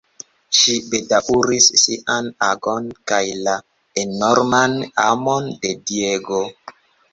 Ŝi bedaŭris sian agon kaj la enorman amon de Diego.